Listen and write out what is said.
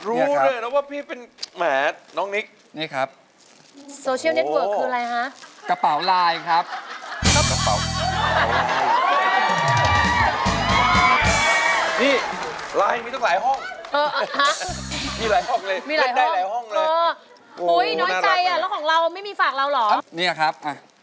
อ๋อหรือเฮ่ยนี่ครับนี่ครับ